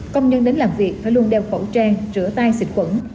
công nhân đến làm việc phải luôn đeo khẩu trang rửa tay xịt quẩn